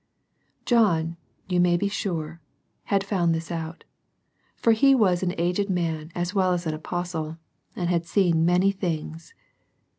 John, you may be sure, had found this out, for he was an aged man as well as an Apostle, and had seen many things.